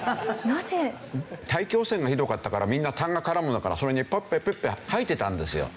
大気汚染がひどかったからみんなたんが絡むもんだからその辺にぺっぺぺっぺ吐いてたんですよ。